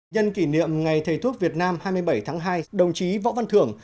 nhân kỷ niệm ngày thầy thuốc việt nam hai mươi bảy tháng hai đồng chí võ văn thưởng